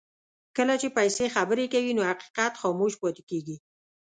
کله چې پیسې خبرې کوي نو حقیقت خاموش پاتې کېږي.